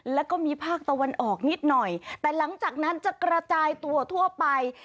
แล้วก็มีภาคตะวันออกนิดหน่อยแต่หลังจากนั้นจะกระจายตัวทั่วไป